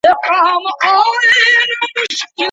په لاس خط لیکل د لیکوال د زړه ږغ دی.